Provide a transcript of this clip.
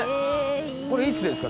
これいつですか？